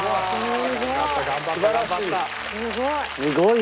すごい！